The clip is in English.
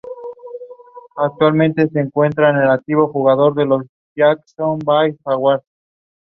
She helped start two companies in her role at General Catalyst Partners.